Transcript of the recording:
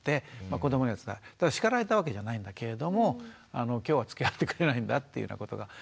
だから叱られたわけじゃないんだけれども今日はつきあってくれないんだっていうようなことが。